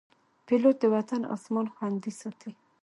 پیلوټ د وطن اسمان خوندي ساتي.